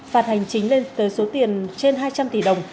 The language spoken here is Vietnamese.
phạt hành chính lên tới số tiền trên hai trăm linh tỷ đồng